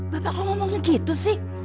bapak kamu ngomongnya begitu sih